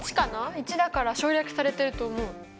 １だから省略されていると思う。